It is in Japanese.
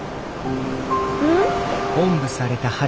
うん？